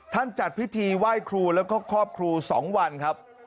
จัดพิธีไหว้ครูแล้วก็ครอบครู๒วันครับ